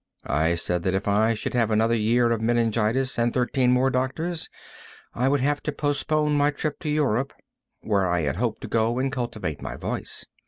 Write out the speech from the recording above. I said that if I should have another year of meningitis and thirteen more doctors, I would have to postpone my trip to Europe, where I had hoped to go and cultivate my voice.